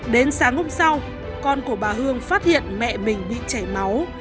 đến sáng hôm sau con của bà hương phát hiện mẹ mình bị chảy máu